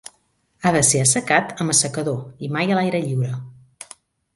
Ha de ser assecat amb assecador i mai a l'aire lliure.